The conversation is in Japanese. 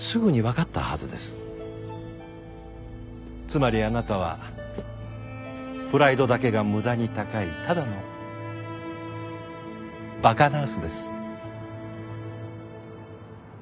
つまりあなたはプライドだけが無駄に高いただの馬鹿ナースです。